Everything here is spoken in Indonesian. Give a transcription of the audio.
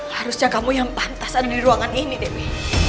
harusnya kamu yang pantas ada di ruangan ini debbie